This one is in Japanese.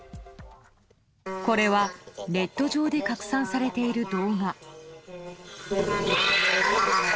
これはネット上で拡散されている動画。